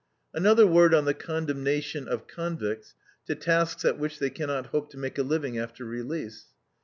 Another word on the condemnation of convicts to tasks at which they cannot hope to make a living after release.